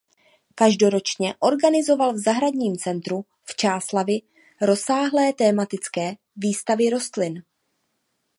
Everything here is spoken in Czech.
Každoročně organizoval v zahradním centru v Čáslavi rozsáhlé tematické výstavy rostlin.